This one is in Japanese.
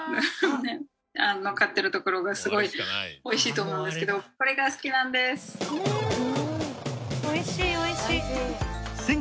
おいしいおいしい。